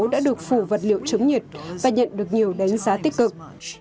đã được phủ vật liệu chống nhiệt và nhận được nhiều đánh giá tích cực